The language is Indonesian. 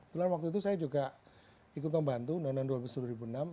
kemudian waktu itu saya juga ikut membantu undang undang dua ribu enam